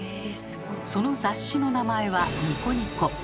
その雑誌の名前は「ニコニコ」。